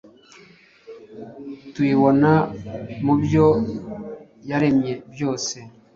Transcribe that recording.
tuyibona mubyo yaremye byose